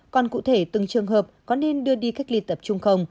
còn cụ thể từng trường hợp có nên đưa đi cách ly tập trung không